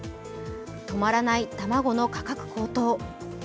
止まらない卵の価格高騰。